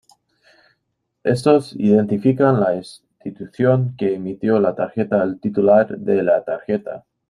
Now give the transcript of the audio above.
Estos identifican la institución que emitió la tarjeta al titular de la tarjeta.